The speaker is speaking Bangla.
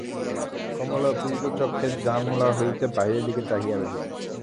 কমলা ক্ষুধিতচক্ষে জানলা হইতে বাহিরের দিকে চাহিয়া রহিল।